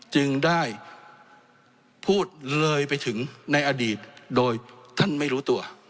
จึงได้พูดเลยไปถึงในอดีตโดยท่านไม่รู้ตัว